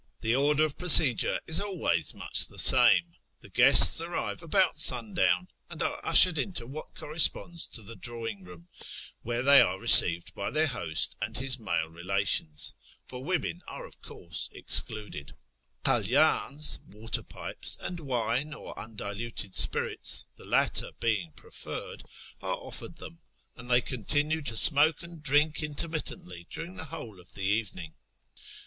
The order of procedure is always much the same. The guests arrive about sundown, and are ushered into what corresponds to the drawing room, where they are received by their host and his male relations (for women are, of course, & TEHERAN 109 excluded). Kalyans (water pipes) and wine, or undiluted spirits (the latter being preferred), are offered them, and they continue to smoke and drink intermittently during the whole of the evening.